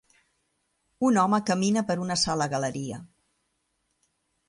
Un home camina per una sala galeria.